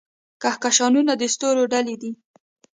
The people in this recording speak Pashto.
کهکشانونه د ستورو ډلې دي.